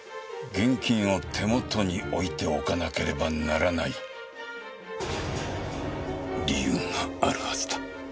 現金を手元に置いておかなければならない理由があるはずだ。